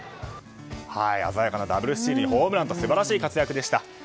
鮮やかなダブルスチールにホームランと素晴らしい活躍でした。